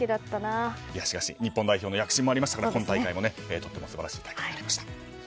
日本代表の躍進もありましたから今大会も特に素晴らしい大会となりました。